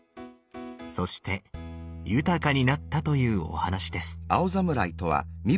そして豊かになったというお話です。